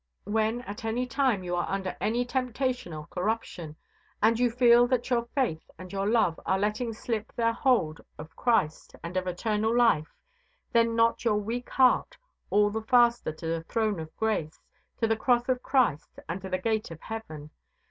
When at any time you are under any temptation or corruption, and you feel that your faith and your love are letting slip their hold of Christ and of eternal life, then knot your weak heart all the faster to the throne of grace, to the cross of Christ, and to the gate of heaven.